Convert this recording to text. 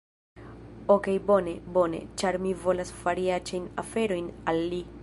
Okej bone, bone, ĉar mi volas fari aĉajn aferojn al li